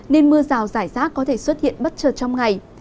nên mưa rào rải rác có thể xuất hiện bất chợt trong ngày